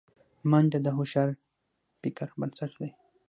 منډه د هوښیار فکر بنسټ دی